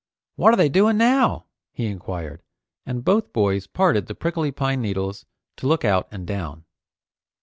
"What are they doing now?" he enquired, and both boys parted the prickly pine needles to look out and down.